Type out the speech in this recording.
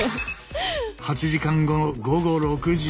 ８時間後の午後６時。